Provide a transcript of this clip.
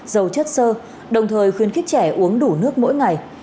dầu chất sơ đồng thời khuyến khích trẻ uống đủ nước mỗi ngày